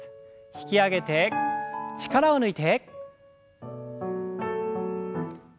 引き上げて力を抜いて。